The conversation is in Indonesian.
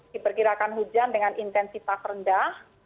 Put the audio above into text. diperkirakan hujan dengan intensitas rendah